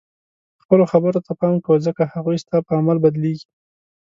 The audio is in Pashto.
خپلو خبرو ته پام کوه ځکه هغوی ستا په عمل بدلیږي.